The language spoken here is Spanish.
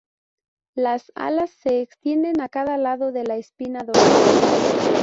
Las "alas" se extienden a cada lado de la espina dorsal.